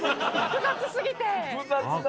複雑過ぎて。